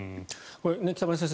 北村先生